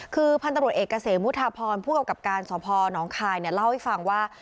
คือพันธุรกิจเอกเกษมพุทธพรผู้กับกับการดรสภพน้องคายเล่าให้ฟังว่า